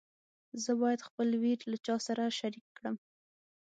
زه باید خپل ویر له چا سره شریک کړم.